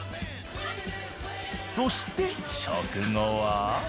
そして食後は。